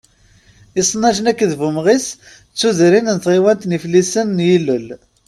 Isenajen akked Bumaɣis d tuddar n tɣiwant n Iflisen n yilel.